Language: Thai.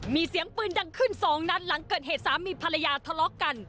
มีเสียงปืนดังขึ้นสองนัดหลังเกิดเหตุสามีภรรยาทะเลาะกัน